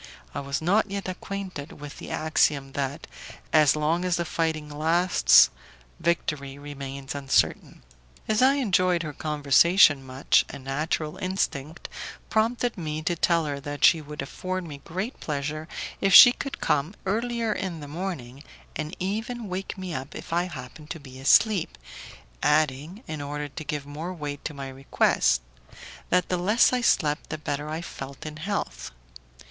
I was not yet acquainted with the axiom that "as long as the fighting lasts, victory remains uncertain." As I enjoyed her conversation much, a natural instinct prompted me to tell her that she would afford me great pleasure if she could come earlier in the morning, and even wake me up if I happened to be asleep, adding, in order to give more weight to my request, that the less I slept the better I felt in health.